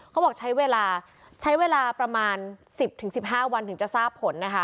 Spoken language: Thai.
เขาบอกใช้เวลาประมาณ๑๐๑๕วันถึงจะทราบผล